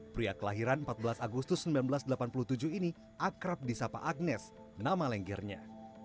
pria kelahiran empat belas agustus seribu sembilan ratus delapan puluh tujuh ini akrab di sapa agnes nama lenggernya